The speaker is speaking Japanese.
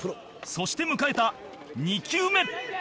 そして迎えた２球目